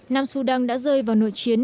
nam sudan đã rơi vào nội chiến